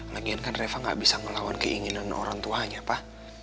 lagian kan reva gak bisa ngelawan keinginan orang tuanya pak